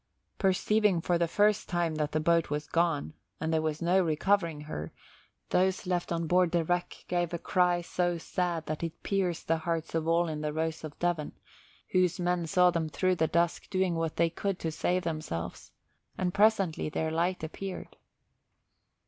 Perceiving for the first time that the boat was gone and there was no recovering her, those left on board the wreck gave a cry so sad that it pierced the hearts of all in the Rose of Devon, whose men saw them through the dusk doing what they could to save themselves; and presently their light appeared.